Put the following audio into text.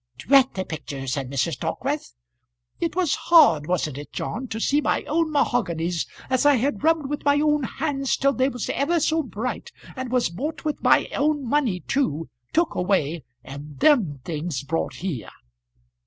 "Drat the picture," said Mrs. Dockwrath. "It was hard, wasn't it, John, to see my own mahoganys, as I had rubbed with my own hands till they was ever so bright, and as was bought with my own money too, took away and them things brought here?